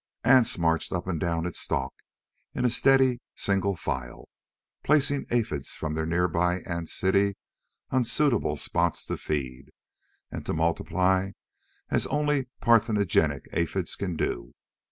Ants marched up and down its stalk in a steady single file, placing aphids from their nearby ant city on suitable spots to feed, and to multiply as only parthenogenic aphids can do.